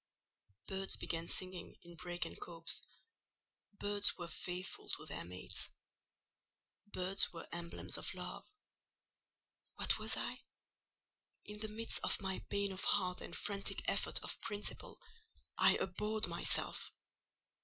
Birds began singing in brake and copse: birds were faithful to their mates; birds were emblems of love. What was I? In the midst of my pain of heart and frantic effort of principle, I abhorred myself.